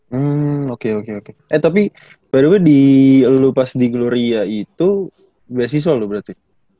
hmm oke oke oke eh tapi baru baru di lu pas di gloria itu beasiswa lu berarti